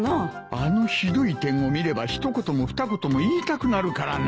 あのひどい点を見れば一言も二言も言いたくなるからな。